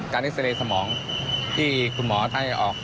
การอิเครียเนสสมองที่คุณหมอให้ออก